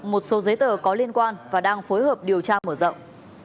một số giấy tờ có liên quan và đang phối hợp điều tra mở rộng